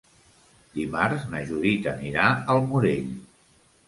Dimarts na Judit anirà al Morell.